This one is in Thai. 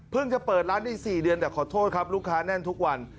จะเปิดร้านได้๔เดือนแต่ขอโทษครับลูกค้าแน่นทุกวัน